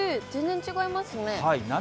全然違いますね。